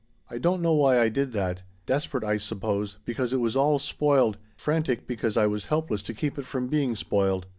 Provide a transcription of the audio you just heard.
I don't know why I did that desperate, I suppose, because it was all spoiled, frantic because I was helpless to keep it from being spoiled.